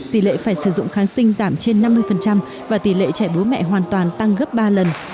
tỷ lệ phải sử dụng kháng sinh giảm trên năm mươi và tỷ lệ trẻ bú mẹ hoàn toàn tăng gấp ba lần